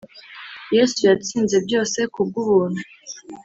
yesu yatsinze byose ku bw'ubuntu,